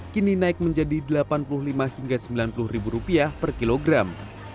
kini naik menjadi rp delapan puluh lima hingga rp sembilan puluh per kilogram